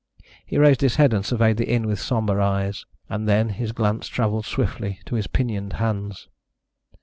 He raised his head and surveyed the inn with sombre eyes, and then his glance travelled swiftly to his pinioned hands.